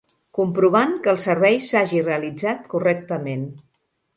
Comprovant que el servei s'hagi realitzat correctament.